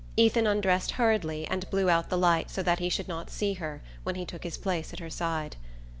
Ethan undressed hurriedly and blew out the light so that he should not see her when he took his place at her side.